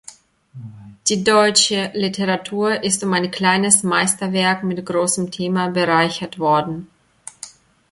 Die deutsche Literatur ist um ein kleines Meisterwerk mit großem Thema bereichert worden".